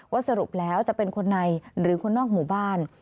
สรุปแล้วจะเป็นคนในหรือคนนอกหมู่บ้าน